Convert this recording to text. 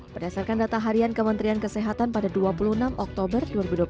berdasarkan data harian kementerian kesehatan pada dua puluh enam oktober dua ribu dua puluh satu